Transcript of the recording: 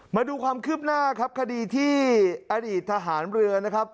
มาดูความคืบหน้าครับคดีที่อดีตทหารเรือนะครับ